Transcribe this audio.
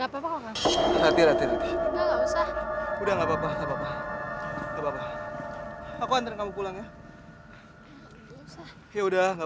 papa kok nggak usah udah nggak papa papa aku hantar kamu pulang ya ya udah nggak